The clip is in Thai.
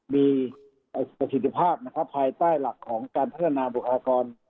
มีประสิทธิภาพนะครับภายใต้หลักของการพัฒนาบุคลากร